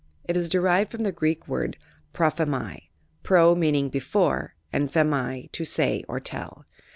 " It is derived from the Greek word, prophemi; pro, — meaniag "before," and pkemi "to say or tell."